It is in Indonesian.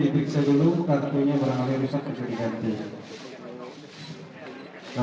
ya sekarang pahunnya silakan